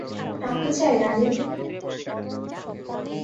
টাকা চাই রানী!